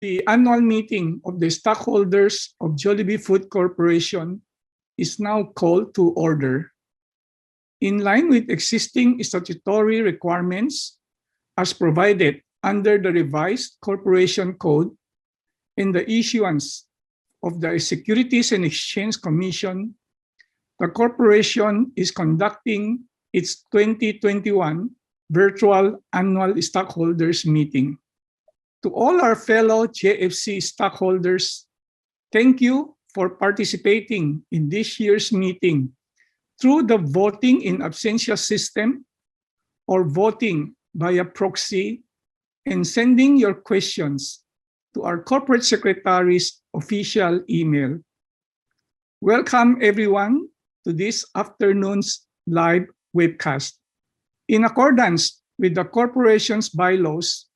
The annual meeting of the stockholders of Jollibee Foods Corporation is now called to order. In line with existing statutory requirements as provided under the Revised Corporation Code and the issuance of the Securities and Exchange Commission, the corporation is conducting its 2021 virtual annual stockholders meeting. To all our fellow JFC stockholders, thank you for participating in this year's meeting through the voting in absentia system or voting via proxy and sending your questions to our corporate secretary's official email. Welcome everyone to this afternoon's live webcast. In accordance with the corporation's bylaws,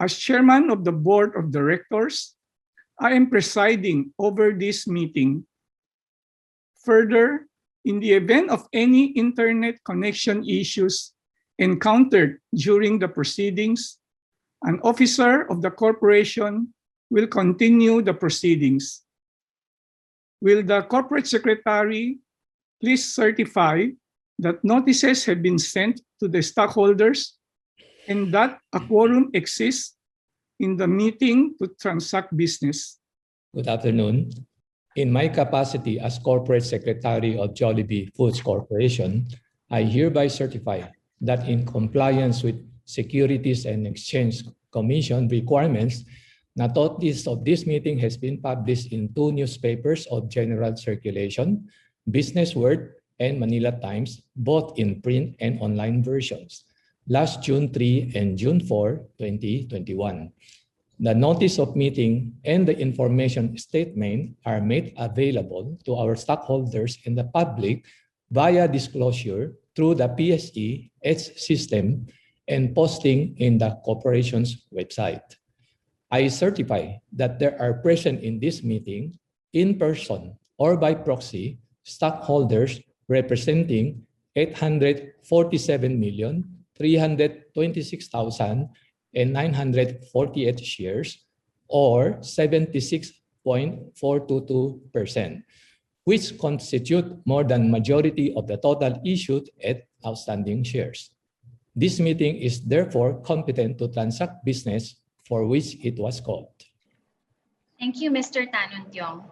as Chairman of the Board of Directors, I am presiding over this meeting. Further, in the event of any internet connection issues encountered during the proceedings, an officer of the corporation will continue the proceedings. Will the Corporate Secretary please certify that notices have been sent to the stockholders and that a quorum exists in the meeting to transact business? Good afternoon. In my capacity as Corporate Secretary of Jollibee Foods Corporation, I hereby certify that in compliance with Securities and Exchange Commission requirements, the notice of this meeting has been published in two newspapers of general circulation, BusinessWorld and The Manila Times, both in print and online versions, last June 3 and June 4, 2021. The notice of meeting and the information statement are made available to our stockholders and the public via disclosure through the PSE EDGE system and posting in the corporation's website. I certify that there are present in this meeting, in person or by proxy, stockholders representing 847,326,948 shares, or 76.422%, which constitute more than majority of the total issued and outstanding shares. This meeting is therefore competent to transact business for which it was called. Thank you, Mr. Tan Untiong,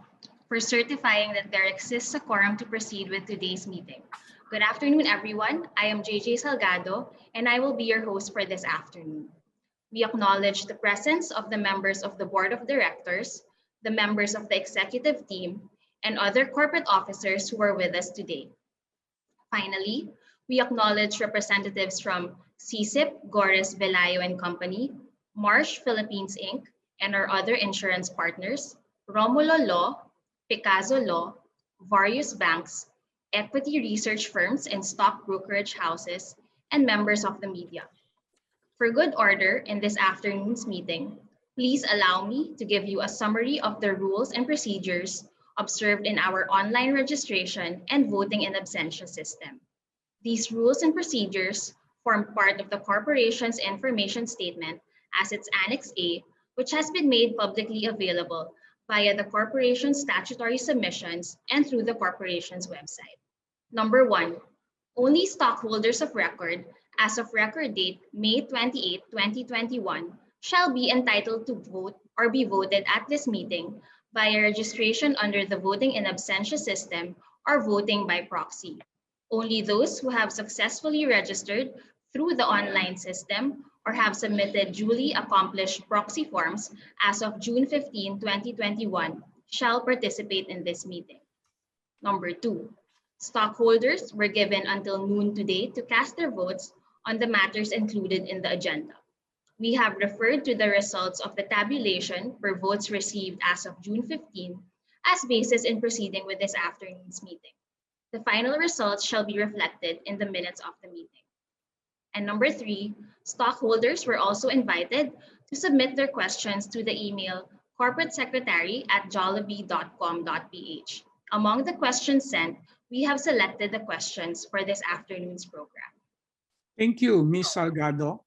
for certifying that there exists a quorum to proceed with today's meeting. Good afternoon, everyone. I am JJ Salgado, and I will be your host for this afternoon. We acknowledge the presence of the members of the Board of Directors, the members of the executive team, and other corporate officers who are with us today. Finally, we acknowledge representatives from SyCip, Gorres, Velayo & Company, Marsh Philippines, Inc., and our other insurance partners, Romulo Law, Picazo Law, various banks, equity research firms and stock brokerage houses, and members of the media. For good order in this afternoon's meeting, please allow me to give you a summary of the rules and procedures observed in our online registration and voting in absentia system. These rules and procedures form part of the Corporation's information statement as its Annex A, which has been made publicly available via the Corporation's statutory submissions and through the Corporation's website. Number one, only stockholders of record as of record date May 28, 2021, shall be entitled to vote or be voted at this meeting by registration under the voting in absentia system or voting by proxy. Only those who have successfully registered through the online system or have submitted duly accomplished proxy forms as of June 15, 2021, shall participate in this meeting. Number two, stockholders were given until noon today to cast their votes on the matters included in the agenda. We have referred to the results of the tabulation for votes received as of June 15th as basis in proceeding with this afternoon's meeting. The final results shall be reflected in the minutes of the meeting. Number three, stockholders were also invited to submit their questions to the email corporatesecretary@jollibee.com.ph. Among the questions sent, we have selected the questions for this afternoon's program. Thank you, Ms. Salgado.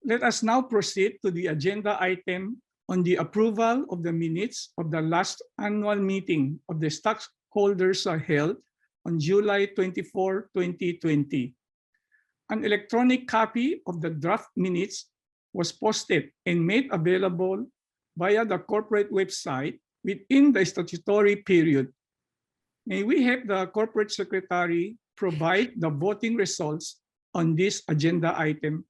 Let us now proceed to the agenda item on the approval of the minutes of the last annual meeting of the stockholders are held on July 24, 2020. An electronic copy of the draft minutes was posted and made available via the corporate website within the statutory period. May we have the corporate secretary provide the voting results on this agenda item?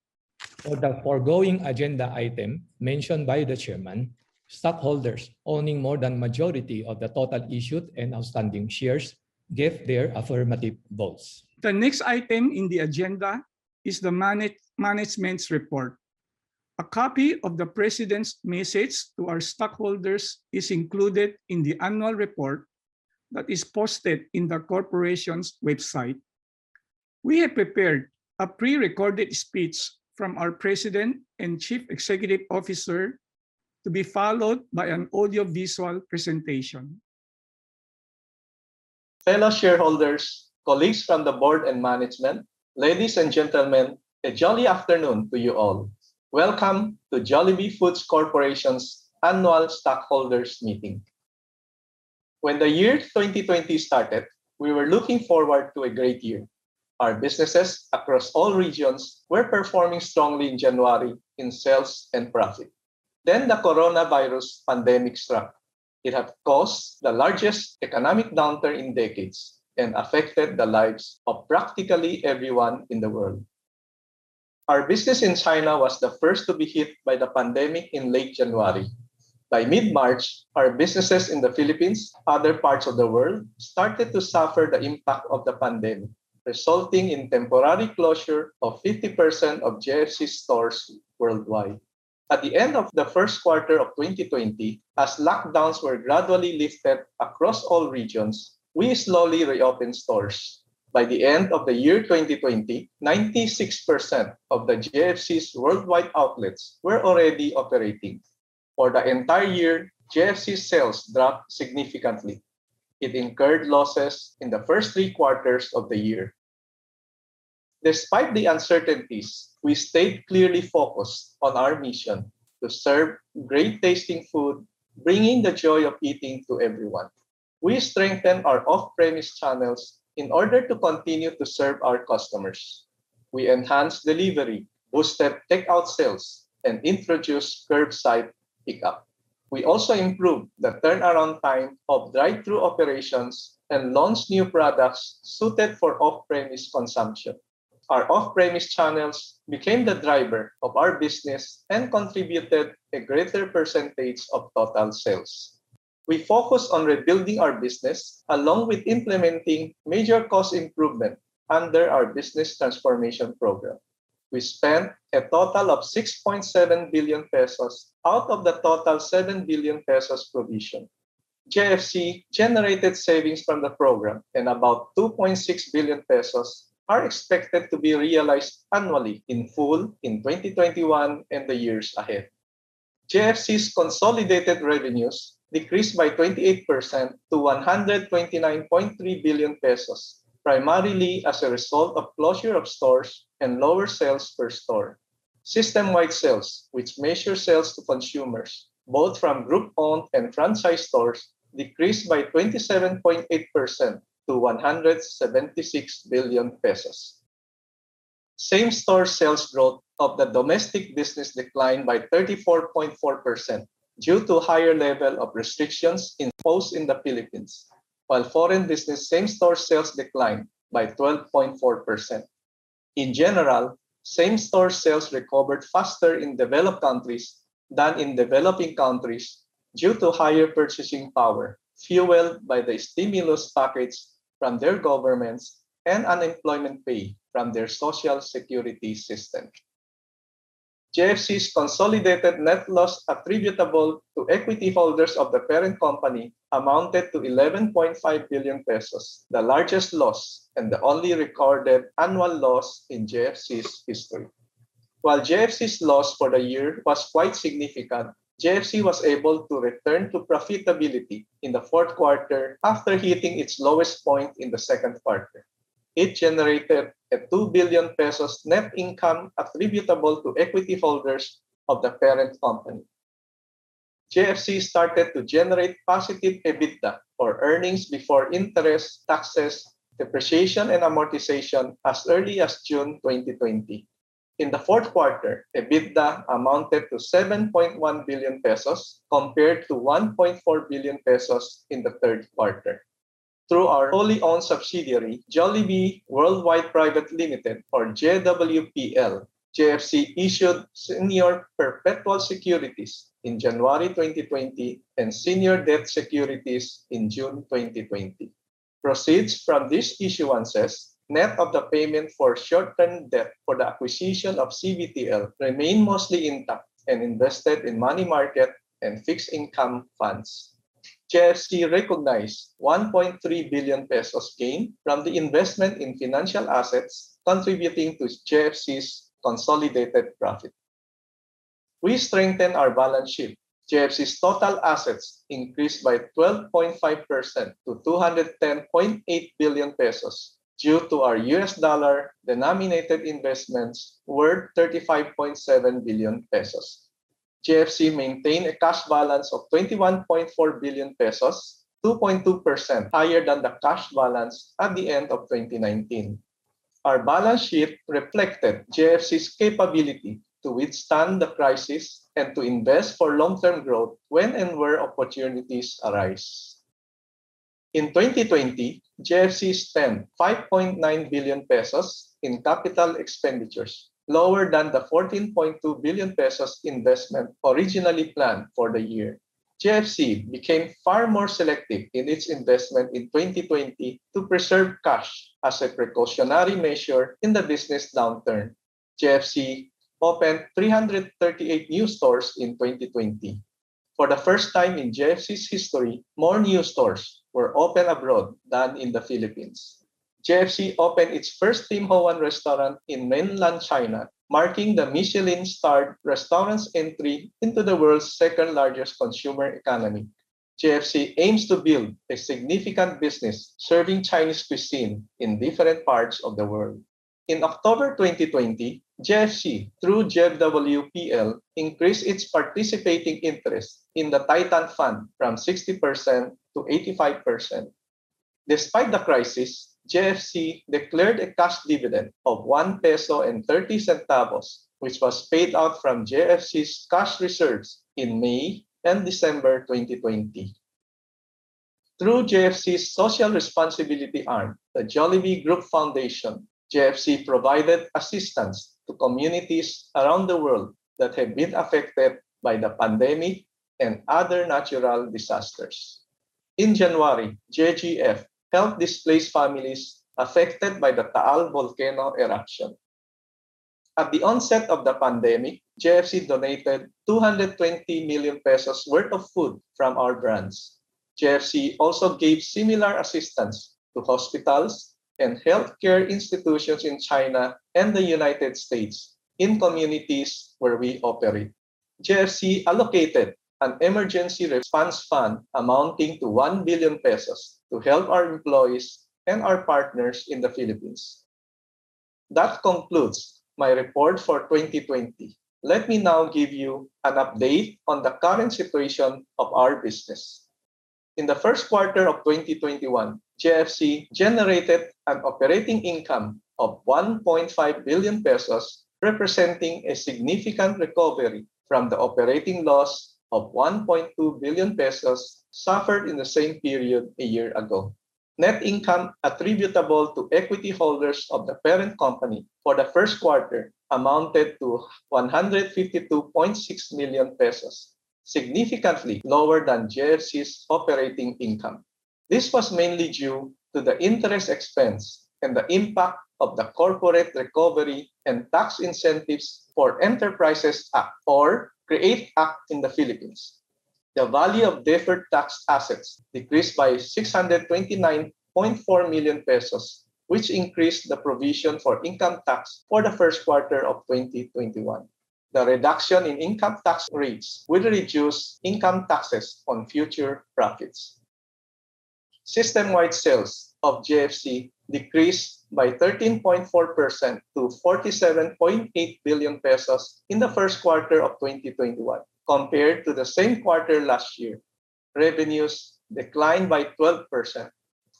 For the foregoing agenda item mentioned by the Chairman, stockholders owning more than majority of the total issued and outstanding shares gave their affirmative votes. The next item in the agenda is the management's report. A copy of the President's message to our stockholders is included in the annual report that is posted in the corporation's website. We have prepared a pre-recorded speech from our President and Chief Executive Officer to be followed by an audiovisual presentation. Fellow shareholders, colleagues from the Board and management, ladies and gentlemen, a jolly afternoon to you all. Welcome to Jollibee Foods Corporation's Annual Stockholders' Meeting. When the year 2020 started, we were looking forward to a great year. Our businesses across all regions were performing strongly in January in sales and profit. The coronavirus pandemic struck. It had caused the largest economic downturn in decades and affected the lives of practically everyone in the world. Our business in China was the first to be hit by the pandemic in late January. By mid-March, our businesses in the Philippines, other parts of the world, started to suffer the impact of the pandemic, resulting in temporary closure of 50% of JFC stores worldwide. At the end of the first quarter of 2020, as lockdowns were gradually lifted across all regions, we slowly reopened stores. By the end of the year 2020, 96% of the JFC's worldwide outlets were already operating. For the entire year, JFC's sales dropped significantly. It incurred losses in the first three quarters of the year. Despite the uncertainties, we stayed clearly focused on our mission to serve great tasting food, bringing the joy of eating to everyone. We strengthened our off-premise channels in order to continue to serve our customers. We enhanced delivery, boosted takeout sales, and introduced curbside pickup. We also improved the turnaround time of drive-thru operations and launched new products suited for off-premise consumption. Our off-premise channels became the driver of our business and contributed a greater percentage of total sales. We focused on rebuilding our business along with implementing major cost improvement under our business transformation program. We spent a total of 6.7 billion pesos out of the total 7 billion pesos provision. JFC generated savings from the program and about 2.6 billion pesos are expected to be realized annually in full in 2021 and the years ahead. JFC's consolidated revenues decreased by 28% to 129.3 billion pesos, primarily as a result of closure of stores and lower sales per store. System-wide sales, which measure sales to consumers, both from group-owned and franchise stores, decreased by 27.8% to 176 billion pesos. Same-store sales growth of the domestic business declined by 34.4% due to higher level of restrictions imposed in the Philippines, while foreign business same-store sales declined by 12.4%. In general, same-store sales recovered faster in developed countries than in developing countries due to higher purchasing power fueled by the stimulus package from their governments and unemployment pay from their Social Security System. JFC's consolidated net loss attributable to equity holders of the parent company amounted to 11.5 billion pesos, the largest loss and the only recorded annual loss in JFC's history. While JFC's loss for the year was quite significant, JFC was able to return to profitability in the fourth quarter after hitting its lowest point in the second quarter. It generated a 2 billion pesos net income attributable to equity holders of the parent company. JFC started to generate positive EBITDA, or earnings before interest, taxes, depreciation, and amortization, as early as June 2020. In the fourth quarter, EBITDA amounted to 7.1 billion pesos compared to 1.4 billion pesos in the third quarter. Through our wholly owned subsidiary, Jollibee Worldwide Pte. Ltd., or JWPL, JFC issued senior perpetual securities in January 2020 and senior debt securities in June 2020. Proceeds from these issuances, net of the payment for short-term debt for the acquisition of CBTL, remain mostly intact and invested in money market and fixed income funds. JFC recognized 1.3 billion pesos gained from the investment in financial assets contributing to JFC's consolidated profit. We strengthened our balance sheet. JFC's total assets increased by 12.5% to 210.8 billion pesos due to our US dollar denominated investments worth 35.7 billion pesos. JFC maintained a cash balance of 21.4 billion pesos, 2.2% higher than the cash balance at the end of 2019. Our balance sheet reflected JFC's capability to withstand the crisis and to invest for long-term growth when and where opportunities arise. In 2020, JFC spent 5.9 billion pesos in CapEx, lower than the 14.2 billion pesos investment originally planned for the year. JFC became far more selective in its investment in 2020 to preserve cash as a precautionary measure in the business downturn. JFC opened 338 new stores in 2020. For the first time in JFC's history, more new stores were opened abroad than in the Philippines. JFC opened its first Tim Ho Wan restaurant in mainland China, marking the Michelin-starred restaurant's entry into the world's second-largest consumer economy. JFC aims to build a significant business serving Chinese cuisine in different parts of the world. In October 2020, JFC, through JWPL, increased its participating interest in the Titan Fund from 60% to 85%. Despite the crisis, JFC declared a cash dividend of 1.30 peso, which was paid out from JFC's cash reserves in May and December 2020. Through JFC's social responsibility arm, the Jollibee Group Foundation, JFC provided assistance to communities around the world that have been affected by the pandemic and other natural disasters. In January, JGF helped displaced families affected by the Taal Volcano eruption. At the onset of the pandemic, JFC donated 220 million pesos worth of food from our brands. JFC also gave similar assistance to hospitals and healthcare institutions in China and the United States in communities where we operate. JFC allocated an emergency response fund amounting to 1 billion pesos to help our employees and our partners in the Philippines. That concludes my report for 2020. Let me now give you an update on the current situation of our business. In the first quarter of 2021, JFC generated an operating income of 1.5 billion pesos, representing a significant recovery from the operating loss of 1.2 billion pesos suffered in the same period a year ago. Net income attributable to equity holders of the parent company for the first quarter amounted to 152.6 million pesos, significantly lower than JFC's operating income. This was mainly due to the interest expense and the impact of the Corporate Recovery and Tax Incentives for Enterprises Act, or CREATE Act, in the Philippines. The value of deferred tax assets decreased by 629.4 million pesos, which increased the provision for income tax for the first quarter of 2021. The reduction in income tax rates will reduce income taxes on future profits. System-wide sales of JFC decreased by 13.4% to 47.8 billion pesos in the first quarter of 2021 compared to the same quarter last year. Revenues declined by 12%.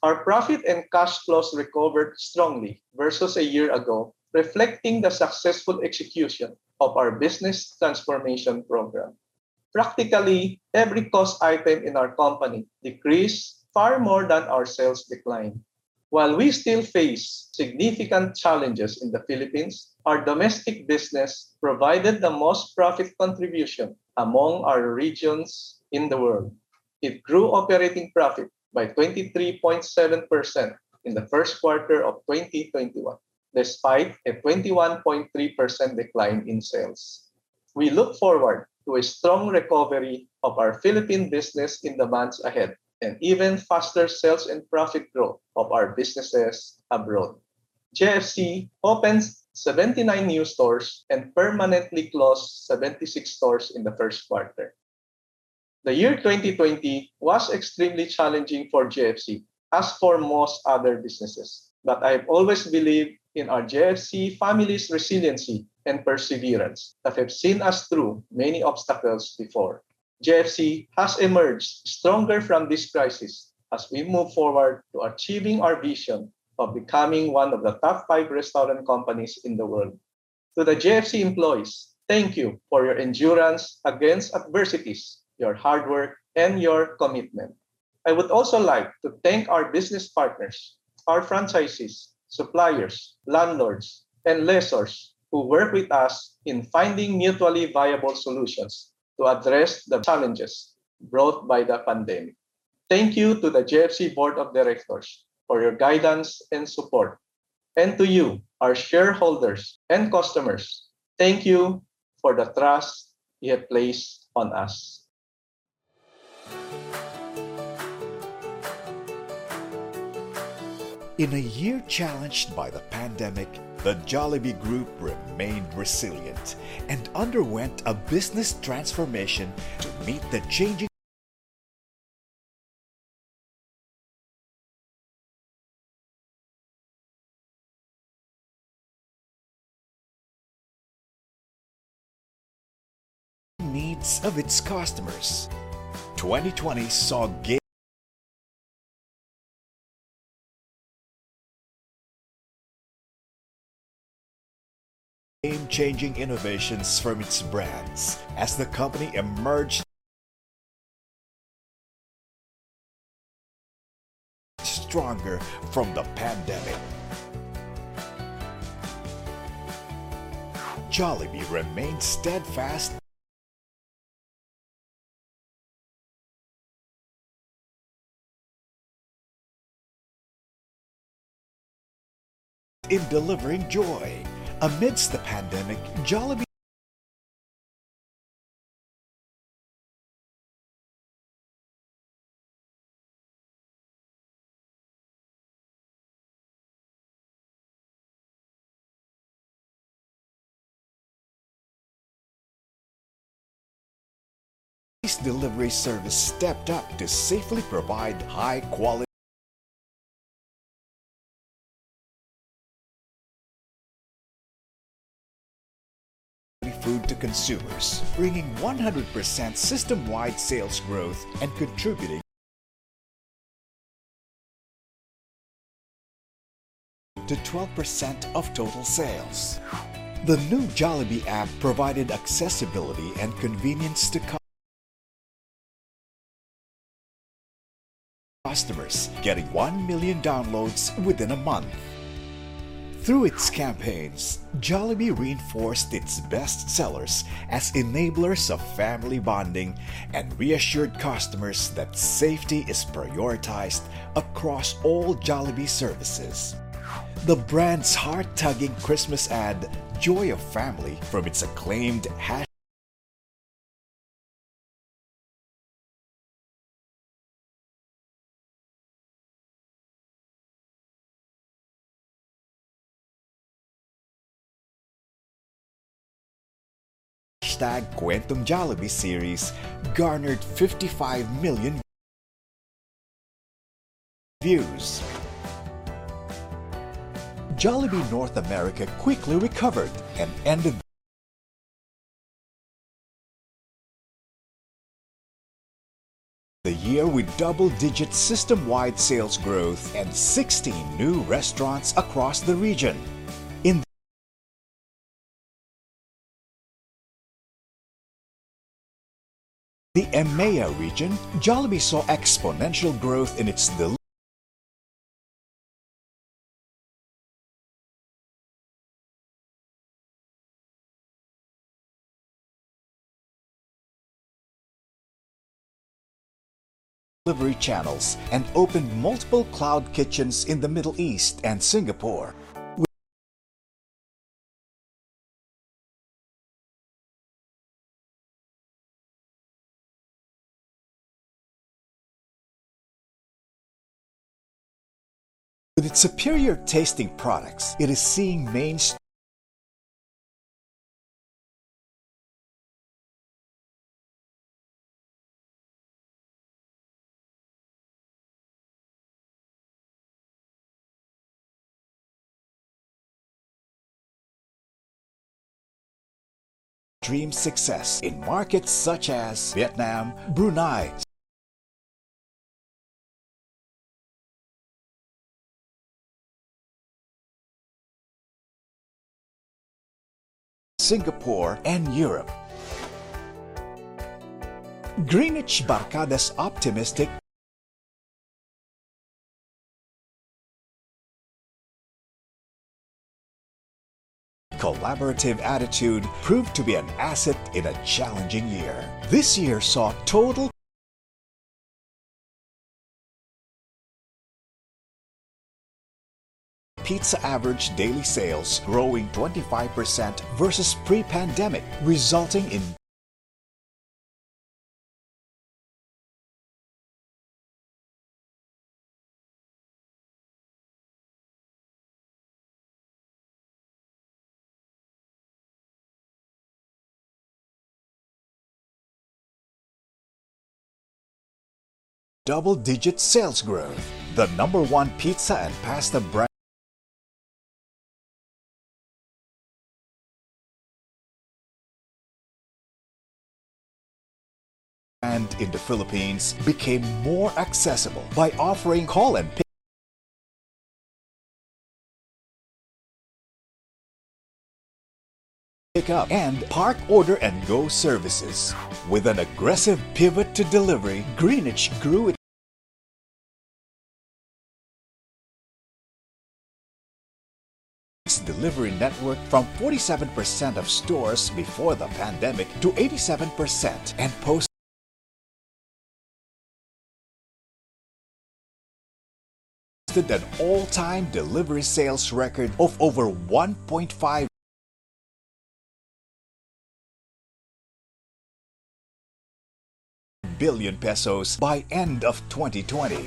Our profit and cash flows recovered strongly versus a year ago, reflecting the successful execution of our Business Transformation Program. Practically every cost item in our company decreased far more than our sales decline. While we still face significant challenges in the Philippines, our domestic business provided the most profit contribution among our regions in the world. It grew operating profit by 23.7% in the first quarter of 2021, despite a 21.3% decline in sales. We look forward to a strong recovery of our Philippine business in the months ahead and even faster sales and profit growth of our businesses abroad. JFC opened 79 new stores and permanently closed 76 stores in the first quarter. The year 2020 was extremely challenging for JFC, as for most other businesses, but I've always believed in our JFC family's resiliency and perseverance that have seen us through many obstacles before. JFC has emerged stronger from this crisis as we move forward to achieving our vision of becoming one of the top five restaurant companies in the world. To the JFC employees, thank you for your endurance against adversities, your hard work, and your commitment. I would also like to thank our business partners, our franchises, suppliers, landlords, and lessors who work with us in finding mutually viable solutions to address the challenges brought by the pandemic. Thank you to the JFC Board of Directors for your guidance and support. To you, our shareholders and customers, thank you for the trust you have placed on us. In a year challenged by the pandemic, the Jollibee Group remained resilient and underwent a business transformation to meet the changing needs of its customers. 2020 saw game-changing innovations from its brands as the company emerged stronger from the pandemic. Jollibee remained steadfast in delivering joy. Amidst the pandemic, Jollibee's delivery service stepped up to safely provide high quality food to consumers, bringing 100% system-wide sales growth and contributing to 12% of total sales. The new Jollibee app provided accessibility and convenience to customers, getting 1 million downloads within a month. Through its campaigns, Jollibee reinforced its best sellers as enablers of family bonding and reassured customers that safety is prioritized across all Jollibee services. The brand's heart-tugging Christmas ad, "Joy of Family" from its acclaimed #KwentongJollibee series, garnered 55 million views. Jollibee North America quickly recovered and ended the year with double-digit system-wide sales growth and 16 new restaurants across the region. In the EMEA region, Jollibee saw exponential growth in its delivery channels and opened multiple cloud kitchens in the Middle East and Singapore. With its superior tasting products, it is seeing mainstream success in markets such as Vietnam, Brunei, Singapore, and Europe. Greenwich Barkada's optimistic and collaborative attitude proved to be an asset in a challenging year. This year saw total Pizza Average Daily Sales growing 25% versus pre-pandemic, resulting in double-digit sales growth. The number one pizza and pasta brand in the Philippines became more accessible by offering call and pick-up, and park, order, and go services. With an aggressive pivot to delivery, Greenwich grew its delivery network from 47% of stores before the pandemic to 87%, and posted an all-time delivery sales record of over 1.5 billion pesos by end of 2020.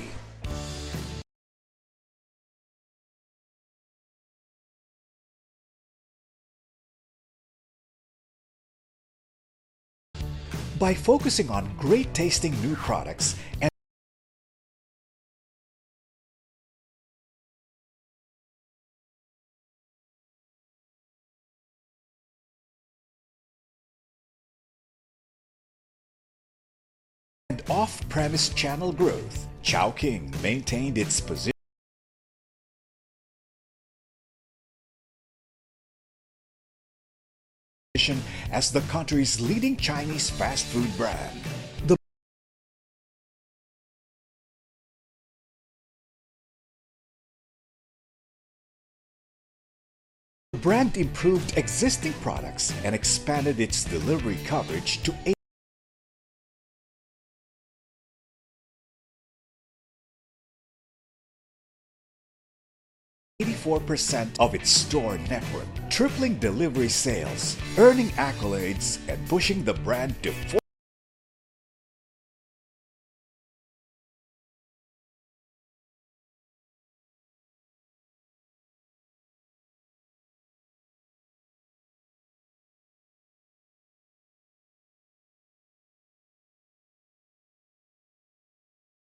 By focusing on great tasting new products and off-premise channel growth, Chowking maintained its position as the country's leading Chinese fast food brand. The brand improved existing products and expanded its delivery coverage to 84% of its store network, tripling delivery sales, earning accolades, and pushing the brand to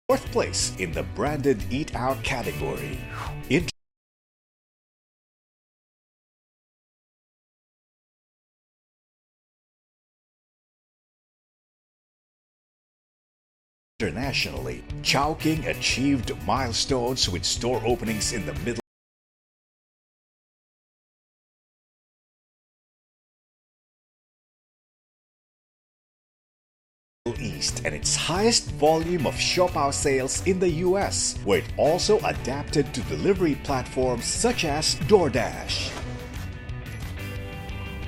fourth place in the branded eat-out category. Internationally, Chowking achieved milestones with store openings in the Middle East and its highest volume of siopao sales in the U.S., where it also adapted to delivery platforms such as DoorDash.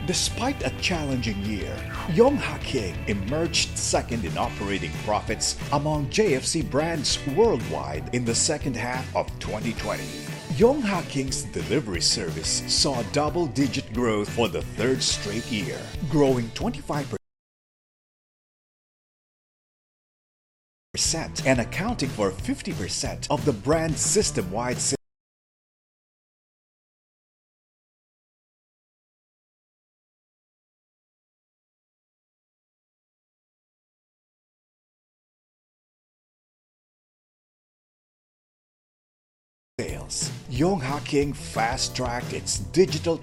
Despite a challenging year, Yonghe King emerged second in operating profits among JFC brands worldwide in the second half of 2020. Yonghe King's delivery service saw double-digit growth for the third straight year, growing 25% and accounting for 50% of the brand's systemwide sales. Yonghe King fast-tracked its digital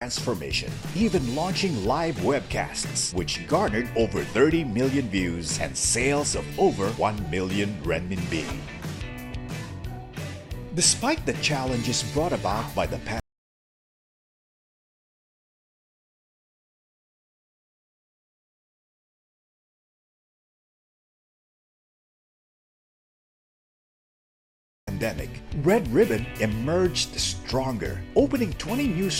transformation, even launching live webcasts, which garnered over 30 million views and sales of over 1 billion renminbi. Despite the challenges brought about by the pandemic, Red Ribbon emerged stronger, opening 20 new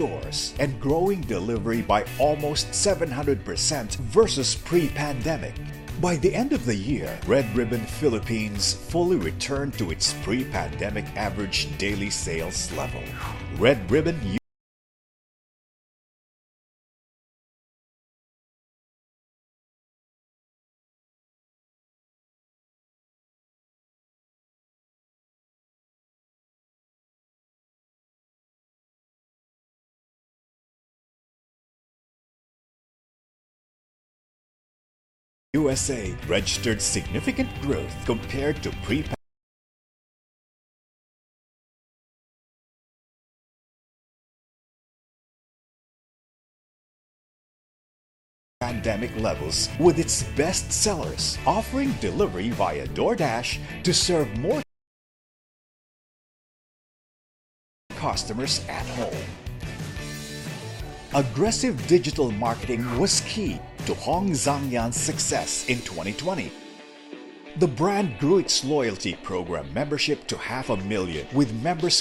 stores and growing delivery by almost 700% versus pre-pandemic. By the end of the year, Red Ribbon Philippines fully returned to its pre-pandemic average daily sales level. Red Ribbon USA registered significant growth compared to pre-pandemic levels with its bestsellers, offering delivery via DoorDash to serve more customers at home. Aggressive digital marketing was key to Hong Zhuang Yuan's success in 2020. The brand grew its Loyalty Program Membership to 500,000, with members'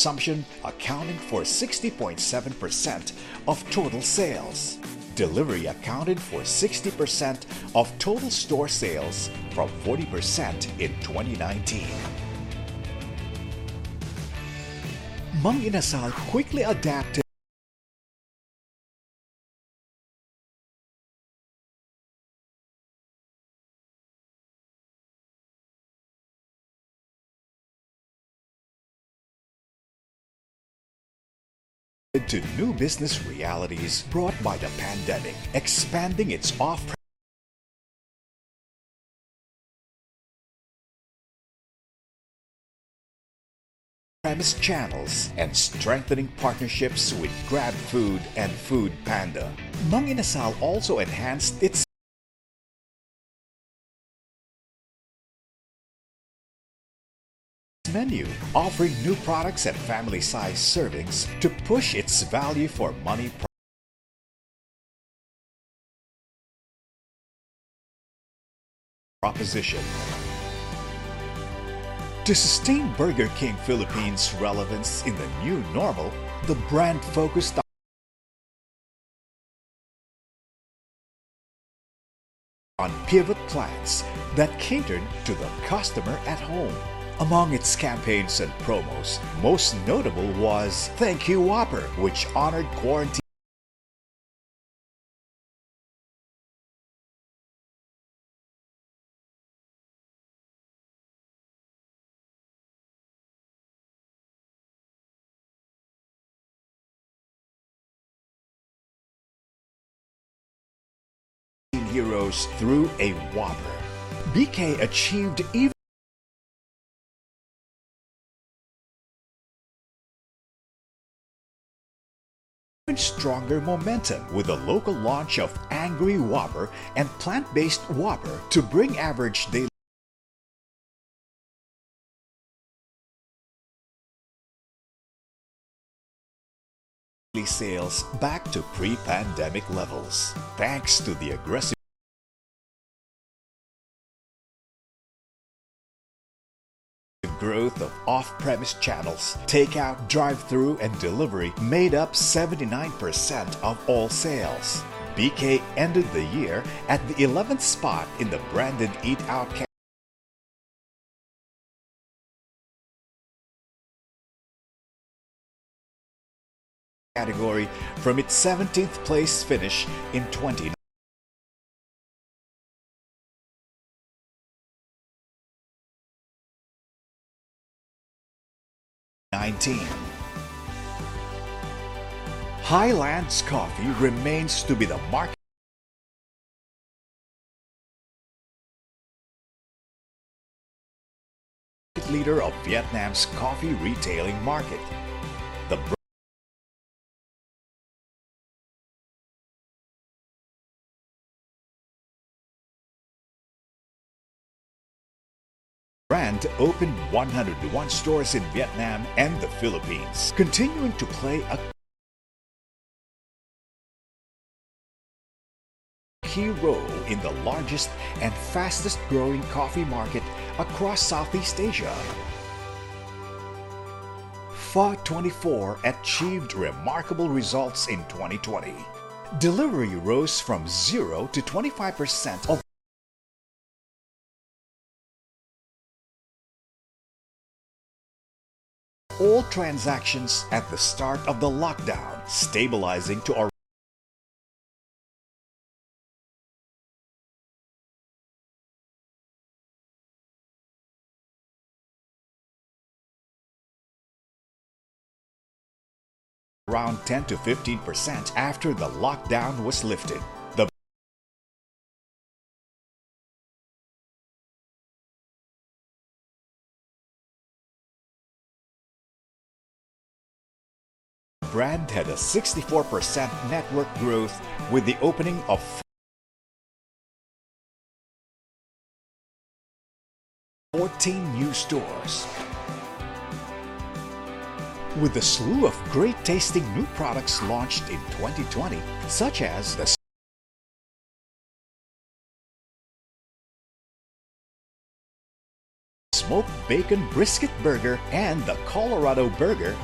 consumption accounting for 60.7% of total sales. Delivery accounted for 60% of total store sales, from 40% in 2019. Mang Inasal quickly adapted to new business realities brought by the pandemic, expanding its offerings across channels, and strengthening partnerships with GrabFood and foodpanda. Mang Inasal also enhanced its menu, offering new products and family-sized servings to push its value-for-money proposition. To sustain Burger King Philippines' relevance in the new normal, the brand focused on pivot plans that catered to the customer at home. Among its campaigns and promos, most notable was Thank You Whopper, which honored quarantine heroes through a Whopper. BK achieved even stronger momentum with the local launch of Angry Whopper and Plant-Based Whopper to bring Average Day-Sales back to pre-pandemic levels, thanks to the aggressive growth of off-premise channels. Takeout, drive-thru, and delivery made up 79% of all sales. BK ended the year at the 11th spot in the branded eat-out category from its 17th place finish in 2019. Highlands Coffee remains to be the market leader of Vietnam's coffee retailing market. The brand opened 101 stores in Vietnam and the Philippines, continuing to play a key role in the largest and fastest-growing coffee market across Southeast Asia. PHO24 achieved remarkable results in 2020. Delivery rose from 0%-25% of all transactions at the start of the lockdown, stabilizing to around 10%-15% after the lockdown was lifted. The brand had a 64% network growth with the opening of 14 new stores. With a slew of great-tasting new products launched in 2020, such as the Smoked Bacon Brisket Burger and the Colorado Burger,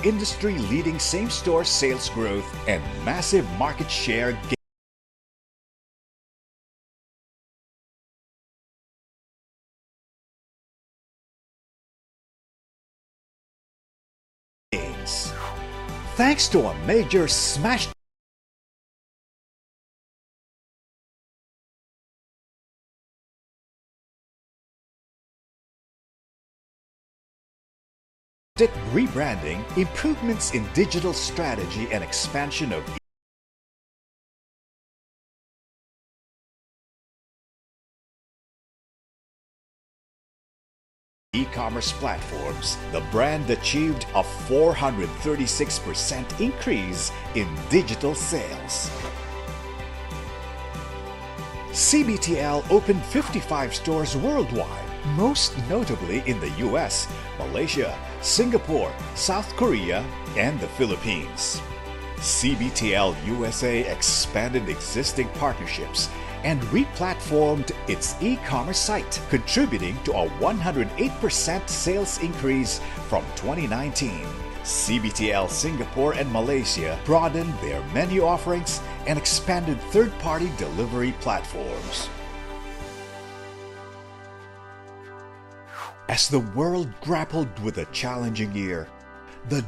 Smashburger achieved industry-leading same-store sales growth and massive market share gains, thanks to a major smash rebranding, improvements in digital strategy, and expansion of e-commerce platforms. The brand achieved a 436% increase in digital sales. CBTL opened 55 stores worldwide, most notably in the U.S., Malaysia, Singapore, South Korea, and the Philippines. CBTL USA expanded existing partnerships and re-platformed its e-commerce site, contributing to a 108% sales increase from 2019. CBTL Singapore and Malaysia broadened their menu offerings and expanded third-party delivery platforms. As the world grappled with a challenging year, the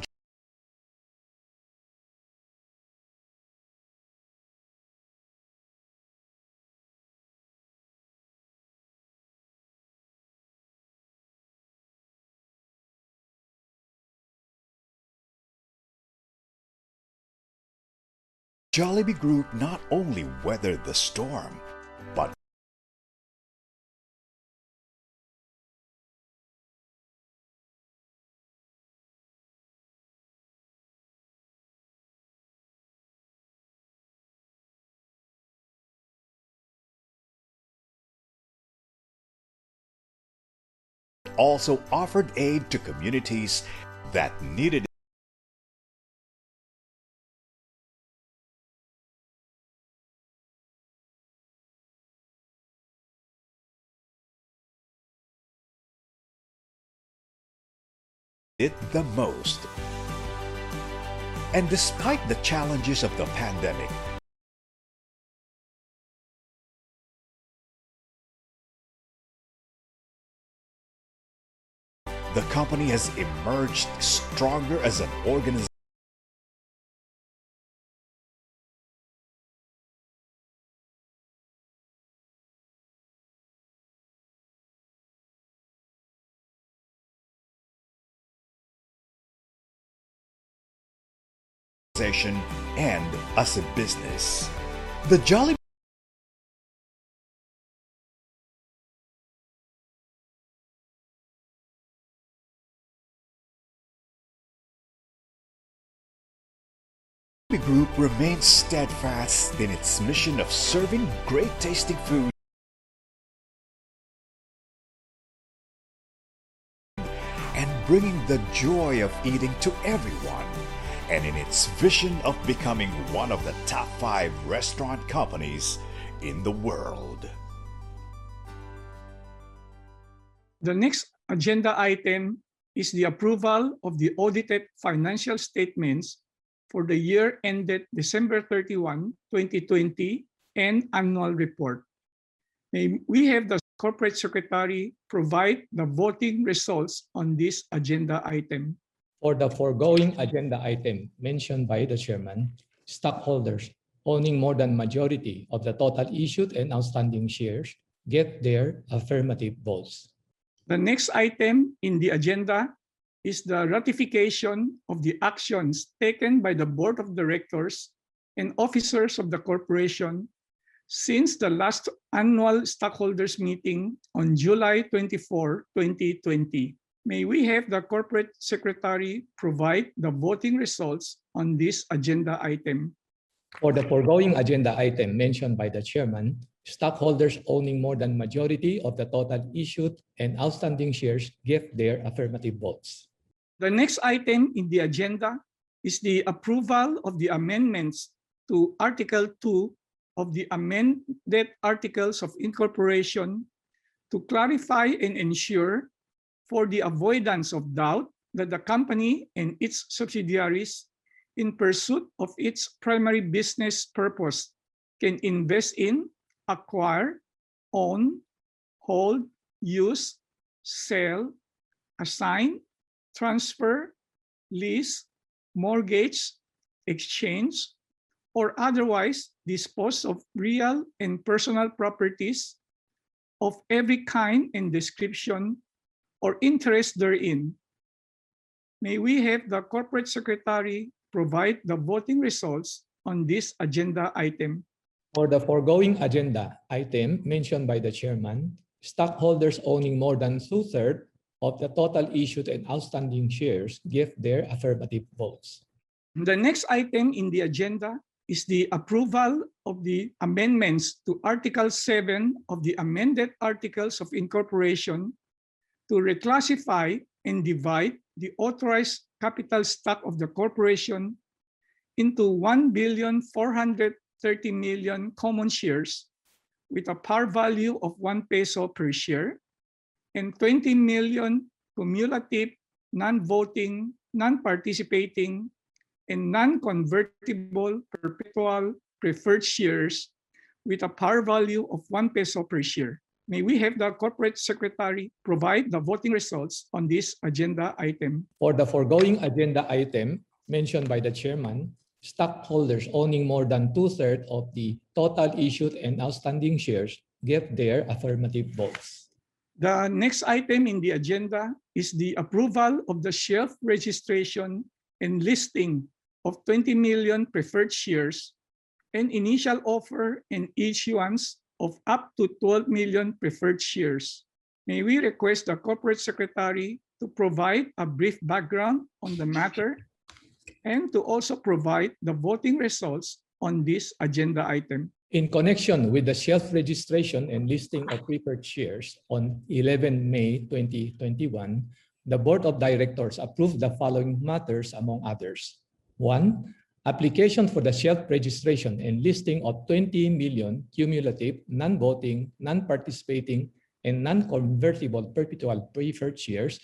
Jollibee Group not only weathered the storm but also offered aid to communities that needed it the most. Despite the challenges of the pandemic, the company has emerged stronger as an organization and as a business. The Jollibee group remains steadfast in its mission of serving great-tasting food and bringing the joy of eating to everyone, and in its vision of becoming one of the top 5 restaurant companies in the world. The next agenda item is the approval of the audited financial statements for the year ended December 31, 2020, and annual report. May we have the Corporate Secretary provide the voting results on this agenda item. For the foregoing agenda item mentioned by the Chairman, stockholders owning more than a majority of the total issued and outstanding shares gave their affirmative votes. The next item on the agenda is the ratification of the actions taken by the Board of Directors and officers of the corporation since the last annual stockholders meeting on July 24, 2020. May we have the Corporate Secretary provide the voting results on this agenda item. For the foregoing agenda item mentioned by the Chairman, stockholders owning more than a majority of the total issued and outstanding shares gave their affirmative votes. The next item on the agenda is the approval of the amendments to Article 2 of the amended articles of incorporation to clarify and ensure for the avoidance of doubt that the company and its subsidiaries, in pursuit of its primary business purpose, can invest in, acquire, own, hold, use, sell, assign, transfer, lease, mortgage, exchange, or otherwise dispose of real and personal properties of every kind and description or interest therein. May we have the Corporate Secretary provide the voting results on this agenda item. For the foregoing agenda item mentioned by the Chairman, stockholders owning more than 2/3 of the total issued and outstanding shares gave their affirmative votes. The next item on the agenda is the approval of the amendments to Article 7 of the amended articles of incorporation to reclassify and divide the authorized capital stock of the corporation into 1.43 Billion common shares with a par value of 1 peso per share and 20 million cumulative non-voting, non-participating, and non-convertible perpetual preferred shares with a par value of 1 peso per share. May we have the corporate secretary provide the voting results on this agenda item. For the foregoing agenda item mentioned by the Chairman, stockholders owning more than 2/3 of the total issued and outstanding shares gave their affirmative votes. The next item on the agenda is the approval of the shelf registration and listing of 20 million preferred shares and initial offer and issuance of up to 12 million preferred shares. May we request the Corporate Secretary to provide a brief background on the matter and to also provide the voting results on this agenda item. In connection with the shelf registration and listing of preferred shares on May 11, 2021, the Board of Directors approved the following matters, among others: One, application for the shelf registration and listing of 20 million cumulative non-voting, non-participating, and non-convertible perpetual preferred shares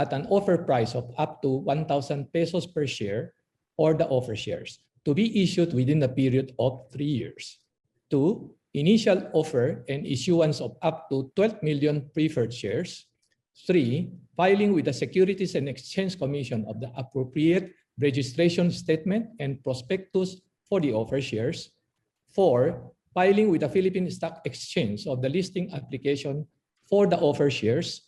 at an offer price of up to 1,000 pesos per share or the offer shares to be issued within a period of three years. Two, initial offer and issuance of up to 12 million preferred shares. Three, filing with the Securities and Exchange Commission of the appropriate registration statement and prospectus for the offer shares. Four, filing with the Philippine Stock Exchange of the listing application for the offer shares.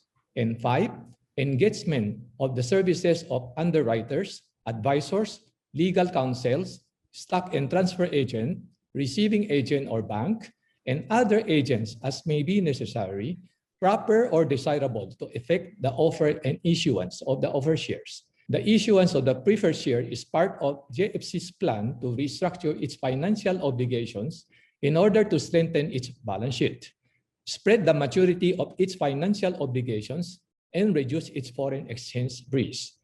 Five, engagement of the services of underwriters, advisors, legal counsels, stock and transfer agent, receiving agent or bank, and other agents as may be necessary, proper, or desirable to effect the offer and issuance of the offer shares. The issuance of the preferred share is part of JFC's plan to restructure its financial obligations in order to strengthen its balance sheet, spread the maturity of its financial obligations, and reduce its foreign exchange risk.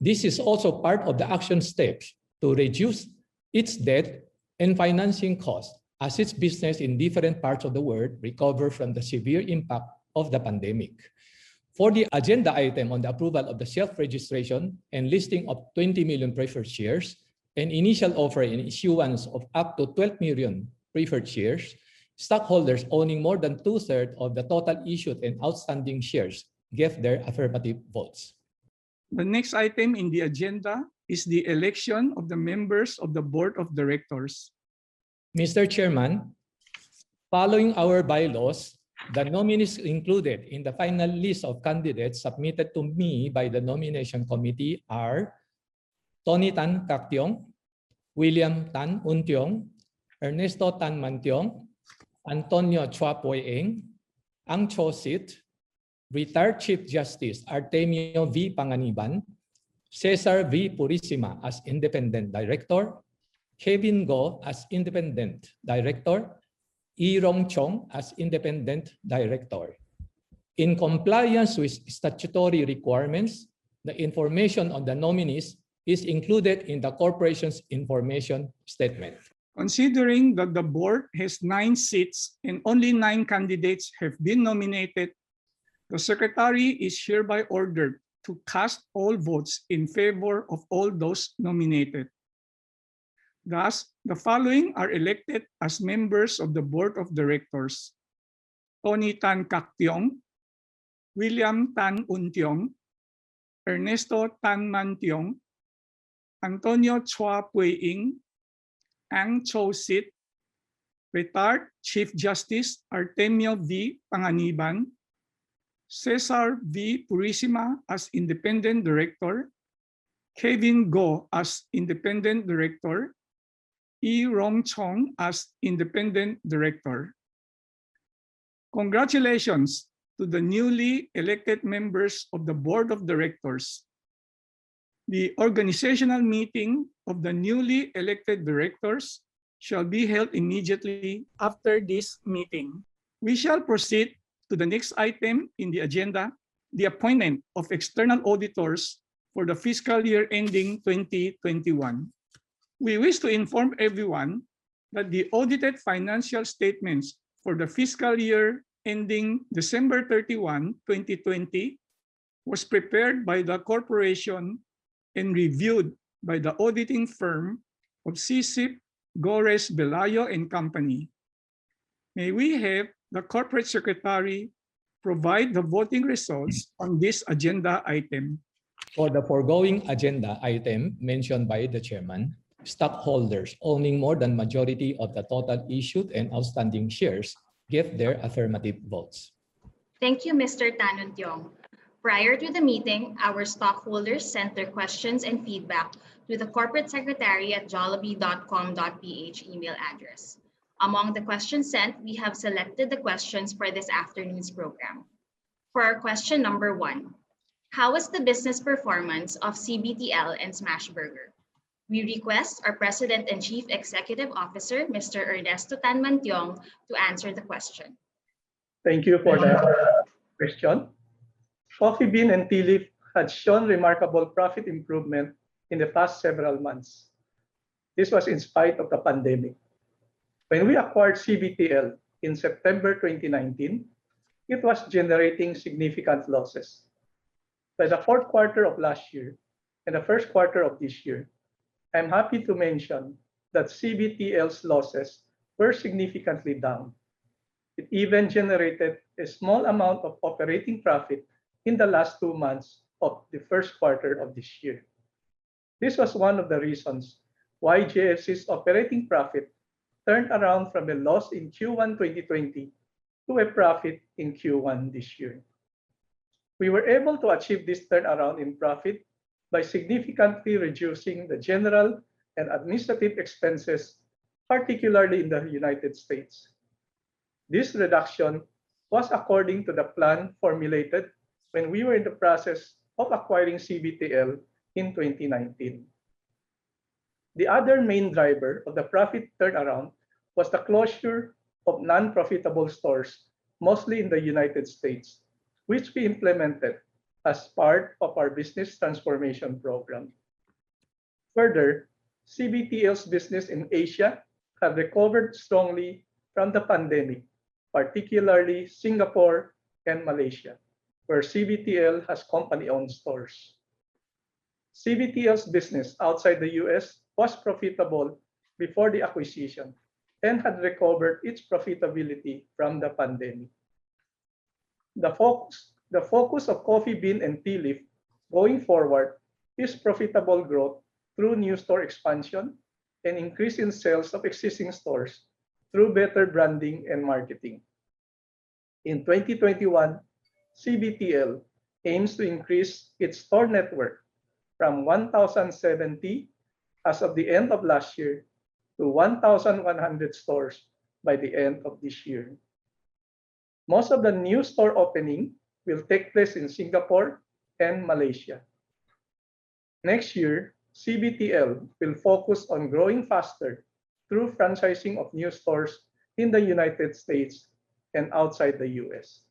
This is also part of the action steps to reduce its debt and financing cost as its business in different parts of the world recover from the severe impact of the pandemic. For the agenda item on the approval of the shelf registration and listing of 20 million preferred shares and initial offer and issuance of up to 12 million preferred shares, stockholders owning more than 2/3 of the total issued and outstanding shares gave their affirmative votes. The next item on the agenda is the election of the members of the Board of Directors. Mr. Chairman, following our bylaws, the nominees included in the final list of candidates submitted to me by the nomination committee are Tony Tan Caktiong, William Tan Untiong, Ernesto Tanmantiong, Antonio Chua Poe Eng, Ang Cho Sit. Retired Chief Justice Artemio V. Panganiban. Cesar V. Purisima as Independent Director. Kevin Goh as Independent Director. Ee Rong Chong as Independent Director. In compliance with statutory requirements, the information on the nominees is included in the corporation's information statement. Considering that the Board has nine seats and only nine candidates have been nominated, the secretary is hereby ordered to cast all votes in favor of all those nominated. Thus, the following are elected as members of the Board of Directors: Tony Tan Caktiong, William Tan Untiong, Ernesto Tanmantiong, Antonio Chua Poe Eng, Ang Cho Sit, Retired Chief Justice Artemio V. Panganiban, Cesar V. Purisima as Independent Director, Kevin Goh as Independent Director, Ee Rong Chong as Independent Director. Congratulations to the newly elected members of the Board of Directors. The organizational meeting of the newly elected directors shall be held immediately after this meeting. We shall proceed to the next item in the agenda, the appointment of external auditors for the fiscal year ending 2021. We wish to inform everyone that the audited financial statements for the fiscal year ending December 31, 2020, was prepared by the corporation and reviewed by the auditing firm of SyCip, Gorres, Velayo & Company. May we have the corporate secretary provide the voting results on this agenda item. For the foregoing agenda item mentioned by the Chairman, stockholders owning more than majority of the total issued and outstanding shares give their affirmative votes. Thank you, Mr. Tan Untiong. Prior to the meeting, our stockholders sent their questions and feedback to the corporate secretary at jollibee.com.ph email address. Among the questions sent, we have selected the questions for this afternoon's program. For our question number one, how is the business performance of CBTL and Smashburger? We request our President and Chief Executive Officer, Mr. Ernesto Tanmantiong, to answer the question. Thank you for that question. Coffee Bean & Tea Leaf had shown remarkable profit improvement in the past several months. This was in spite of the pandemic. When we acquired CBTL in September 2019, it was generating significant losses. By the fourth quarter of last year and the first quarter of this year, I'm happy to mention that CBTL's losses were significantly down. It even generated a small amount of operating profit in the last two months of the first quarter of this year. This was one of the reasons why JFC's operating profit turned around from a loss in Q1 2020 to a profit in Q1 this year. We were able to achieve this turnaround in profit by significantly reducing the general and administrative expenses, particularly in the United States. This reduction was according to the plan formulated when we were in the process of acquiring CBTL in 2019. The other main driver of the profit turnaround was the closure of non-profitable stores, mostly in the United States, which we implemented as part of our Business Transformation Program. Further, CBTL's business in Asia have recovered strongly from the pandemic, particularly Singapore and Malaysia, where CBTL has company-owned stores. CBTL's business outside the U.S. was profitable before the acquisition and had recovered its profitability from the pandemic. The focus of Coffee Bean & Tea Leaf going forward is profitable growth through new store expansion and increase in sales of existing stores through better branding and marketing. In 2021, CBTL aims to increase its store network from 1,070 as of the end of last year to 1,100 stores by the end of this year. Most of the new store opening will take place in Singapore and Malaysia. Next year, CBTL will focus on growing faster through franchising of new stores in the United States and outside the U.S.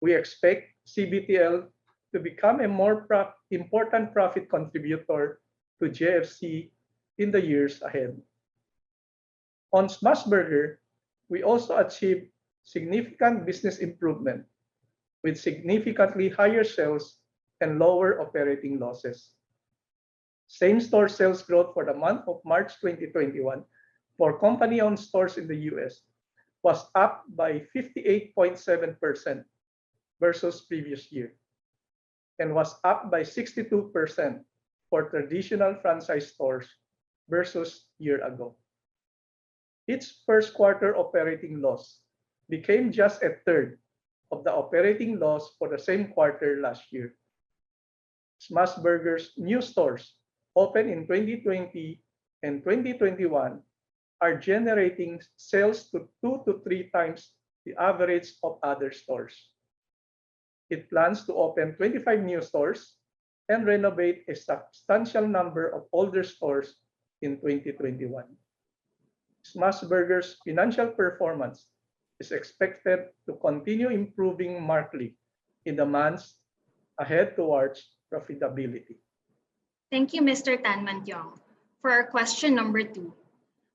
We expect CBTL to become a more important profit contributor to JFC in the years ahead. On Smashburger, we also achieved significant business improvement with significantly higher sales and lower operating losses. Same-store sales growth for the month of March 2021 for company-owned stores in the U.S. was up by 58.7% versus previous year and was up by 62% for traditional franchise stores versus year ago. Its first quarter operating loss became just a third of the operating loss for the same quarter last year. Smashburger's new stores opened in 2020 and 2021 are generating sales 2-3x the average of other stores. It plans to open 25 new stores and renovate a substantial number of older stores in 2021. Smashburger's financial performance is expected to continue improving markedly in the months ahead towards profitability. Thank you, Mr. Tanmantiong. For our question number two,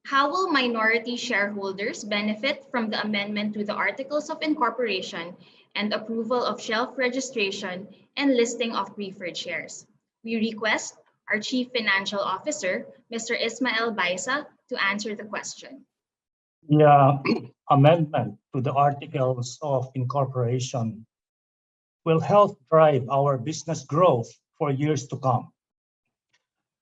how will minority shareholders benefit from the amendment to the articles of incorporation and approval of shelf registration and listing of preferred shares? We request our Chief Financial Officer, Mr. Ysmael Baysa, to answer the question. The amendment to the articles of incorporation will help drive our business growth for years to come.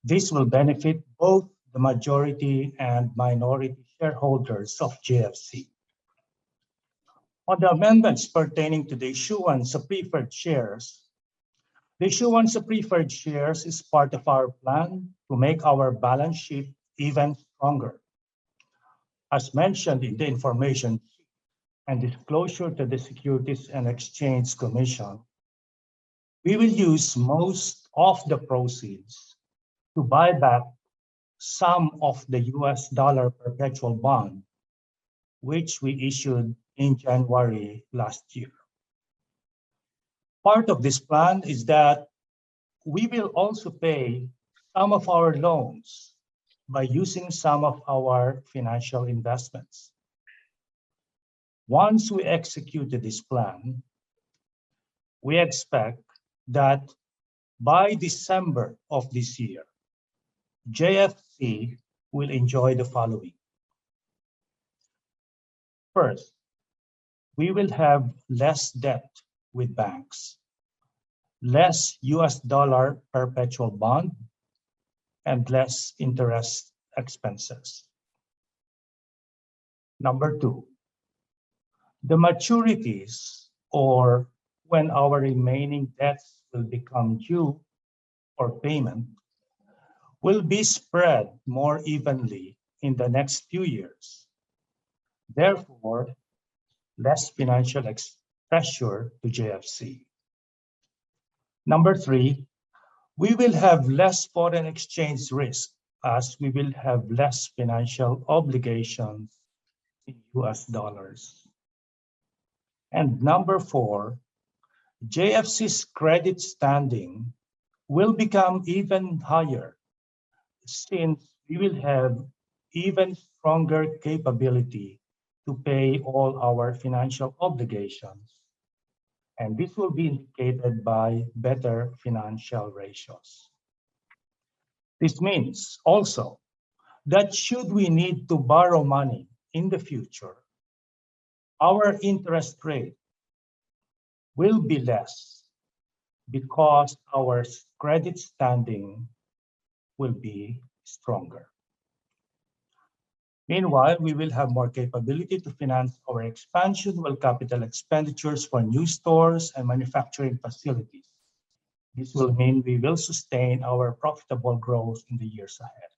This will benefit both the majority and minority shareholders of JFC. On the amendments pertaining to the issuance of preferred shares, the issuance of preferred shares is part of our plan to make our balance sheet even stronger. As mentioned in the information and disclosure to the Securities and Exchange Commission, we will use most of the proceeds to buy back some of the US dollar perpetual bond, which we issued in January last year. Part of this plan is that we will also pay some of our loans by using some of our financial investments. Once we executed this plan, we expect that by December of this year, JFC will enjoy the following. First, we will have less debt with banks, less US dollar perpetual bond, and less interest expenses. Number two, the maturities or when our remaining debts will become due or payment will be spread more evenly in the next few years, therefore, less financial pressure to JFC. Number three, we will have less foreign exchange risk as we will have less financial obligations in US dollars. Number four, JFC's credit standing will become even higher since we will have even stronger capability to pay all our financial obligations, and this will be indicated by better financial ratios. This means also that should we need to borrow money in the future, our interest rate will be less because our credit standing will be stronger. Meanwhile, we will have more capability to finance our expansion with capital expenditures for new stores and manufacturing facilities. This will mean we will sustain our profitable growth in the years ahead.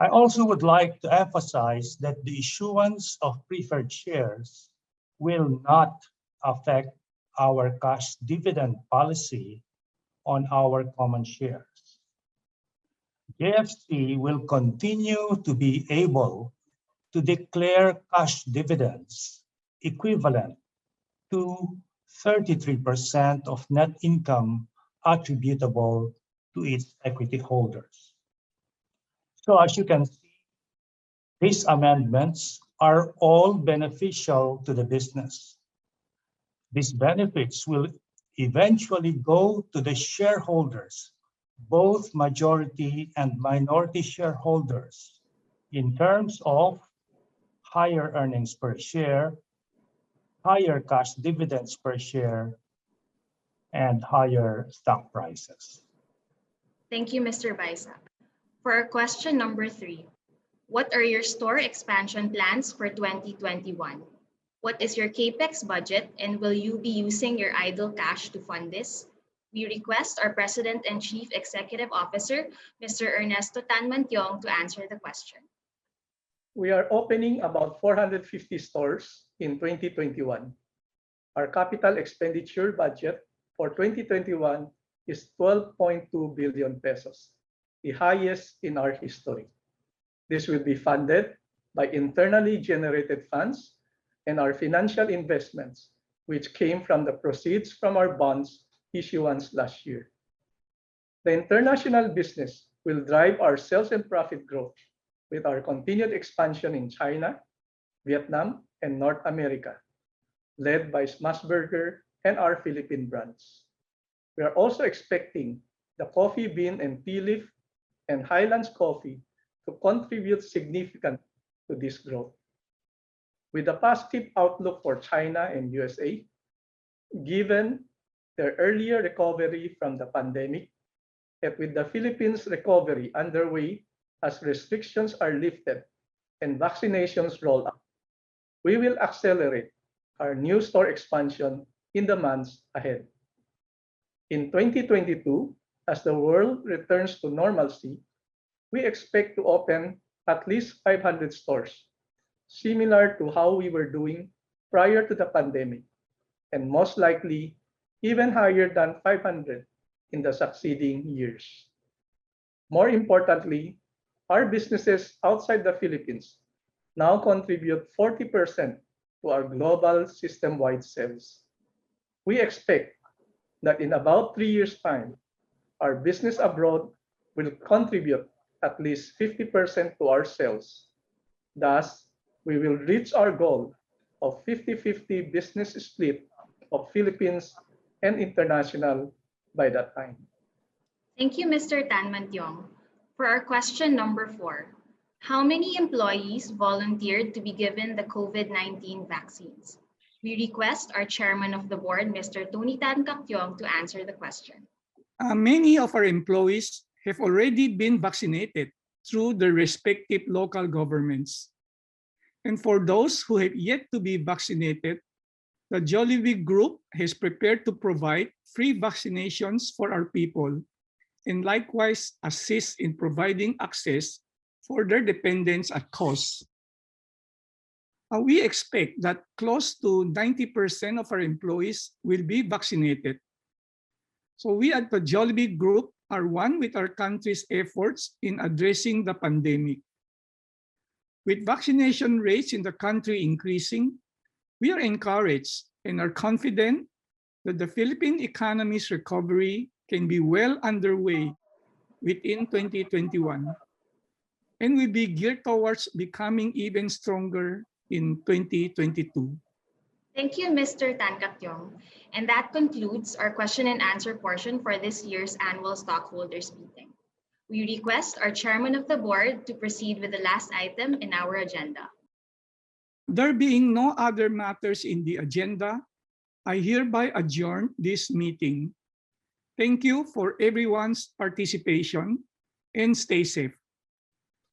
I also would like to emphasize that the issuance of preferred shares will not affect our cash dividend policy on our common shares. JFC will continue to be able to declare cash dividends equivalent to 33% of net income attributable to its equity holders. As you can see, these amendments are all beneficial to the business. These benefits will eventually go to the shareholders, both majority and minority shareholders, in terms of higher earnings per share, higher cash dividends per share, and higher stock prices. Thank you, Mr. Baysa. For our question number three, what are your store expansion plans for 2021? What is your CapEx budget and will you be using your idle cash to fund this? We request our President and Chief Executive Officer, Mr. Ernesto Tanmantiong, to answer the question. We are opening about 450 stores in 2021. Our capital expenditure budget for 2021 is 12.2 billion pesos, the highest in our history. This will be funded by internally generated funds and our financial investments, which came from the proceeds from our bonds issuance last year. The international business will drive our sales and profit growth with our continued expansion in China, Vietnam, and North America, led by Smashburger and our Philippine brands. We are also expecting The Coffee Bean & Tea Leaf and Highlands Coffee to contribute significantly to this growth. With a positive outlook for China and U.S.A., given their earlier recovery from the pandemic, and with the Philippines recovery underway as restrictions are lifted and vaccinations roll out. We will accelerate our new store expansion in the months ahead. In 2022, as the world returns to normalcy, we expect to open at least 500 stores, similar to how we were doing prior to the pandemic, and most likely even higher than 500 in the succeeding years. More importantly, our businesses outside the Philippines now contribute 40% to our global system-wide sales. We expect that in about three years' time, our business abroad will contribute at least 50% to our sales. Thus, we will reach our goal of 50/50 business split of Philippines and international by that time. Thank you, Mr. Tanmantiong. For our question number four, how many employees volunteered to be given the COVID-19 vaccines? We request our Chairman of the Board, Mr. Tony Tan Caktiong, to answer the question. Many of our employees have already been vaccinated through their respective local governments. For those who have yet to be vaccinated, the Jollibee Group has prepared to provide free vaccinations for our people, and likewise assist in providing access for their dependents at cost. We expect that close to 90% of our employees will be vaccinated. We at the Jollibee Group are one with our country's efforts in addressing the pandemic. With vaccination rates in the country increasing, we are encouraged and are confident that the Philippine economy's recovery can be well underway within 2021, and we'll be geared towards becoming even stronger in 2022. Thank you, Mr. Tan Caktiong. That concludes our question and answer portion for this year's annual stockholders meeting. We request our Chairman of the Board to proceed with the last item in our agenda. There being no other matters in the agenda, I hereby adjourn this meeting. Thank you for everyone's participation, and stay safe.